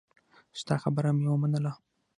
ستا خبره مې ومنله.